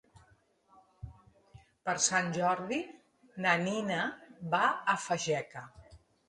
Per Sant Jordi na Nina va a Fageca.